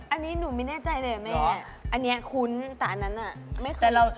อันนี้หนูไม่แน่ใจเลยแม่อันนี้คุ้นแต่อันนั้นอ่ะไม่คุ้น